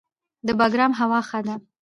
د بګرام هوا ښه ده